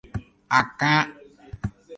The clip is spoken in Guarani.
Akã